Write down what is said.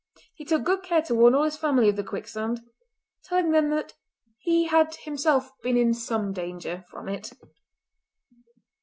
He took good care to warn all his family of the quicksand, telling them that he had himself been in some danger from it.